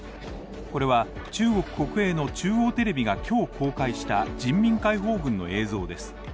これは中国国営の中央テレビが今日公開した人民解放軍の映像です。